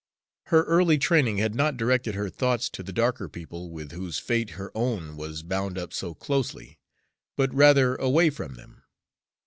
Her early training had not directed her thoughts to the darker people with whose fate her own was bound up so closely, but rather away from them.